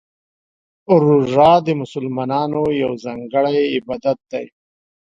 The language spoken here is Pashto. روژه د مسلمانانو یو ځانګړی عبادت دی.